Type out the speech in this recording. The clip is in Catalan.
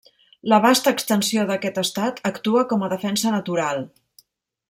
La vasta extensió d'aquest estat actua com a defensa natural.